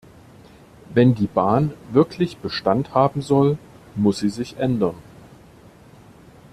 Wenn die Bahn wirklich Bestand haben soll, muss sie sich ändern.